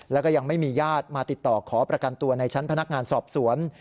แล้วก็ยังไม่มีญาติมาติดต่อขอประกันตัวในชั้นพนักงานสอบสวน